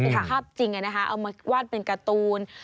เป็นภาพจริงเอามาวาดเป็นการ์ตูน